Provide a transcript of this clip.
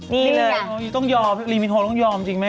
นี่เลยต้องยอมรีมินโทรต้องยอมจริงแม่